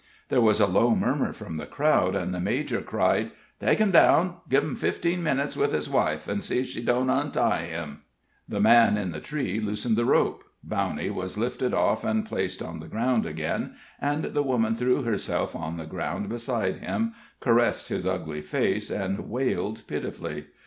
There was a low murmur from the crowd, and the major cried: "Take him down; give him fifteen minutes with his wife, and see she doesn't untie him." [Illustration: "TAKE HIM DOWN; GIVE HIM FIFTEEN MINUTES WITH HIS WIFE."] The man in the tree loosened the rope, Bowney was lifted off and placed on the ground again, and the woman threw herself on the ground beside him, caressed his ugly face, and wailed pitifully.